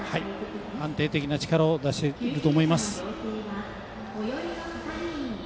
安定的な力を出していると思います。